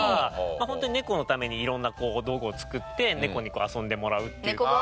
本当に猫のためにいろんな道具を作って猫に遊んでもらうっていう。